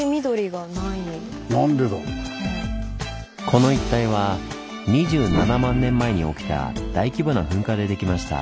この一帯は２７万年前に起きた大規模な噴火でできました。